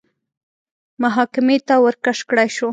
محاکمې ته ورکش کړای شو